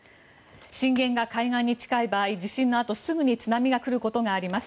震源が海岸に近い場合地震のあとすぐに津波が来ることがあります。